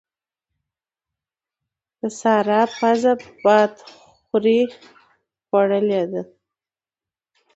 د سارا پزه بادخورې خوړلې ده.